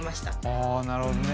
はあなるほどね。